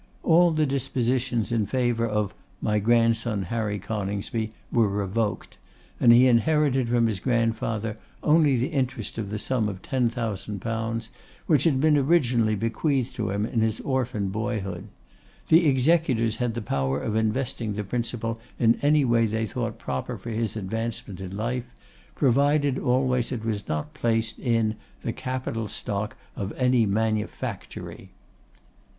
All the dispositions in favour of 'my grandson Harry Coningsby' were revoked; and he inherited from his grandfather only the interest of the sum of 10,000_l._ which had been originally bequeathed to him in his orphan boyhood. The executors had the power of investing the principal in any way they thought proper for his advancement in life, provided always it was not placed in 'the capital stock of any manufactory.